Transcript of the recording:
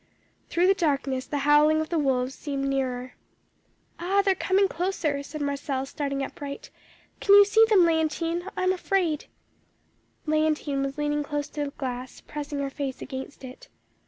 Through the darkness the howling of the wolves seemed nearer. "'Ah, they are coming closer,' said Marcelle, starting upright. 'Can you see them, Léontine? I am afraid.' "Léontine was leaning close to the glass, pressing her face against it.